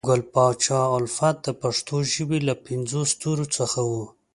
ګل پاچا الفت د پښنو ژبې له پنځو ستورو څخه وو